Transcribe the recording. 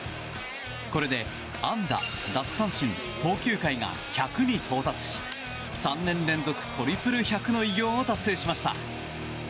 これで安打、奪三振、投球回が１００に到達し３年連続トリプル１００の偉業を達成しました。